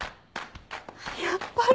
やっぱり。